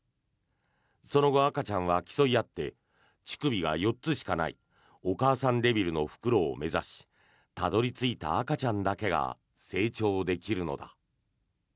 その後、赤ちゃんは競い合って乳首が４つしかないお母さんデビルの袋を目指したどり着いた赤ちゃんだけが成長できるのだ。